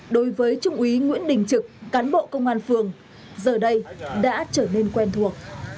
đối với trung úy nguyễn đình trực cán bộ công an phường giờ đây đã trở nên quen thuộc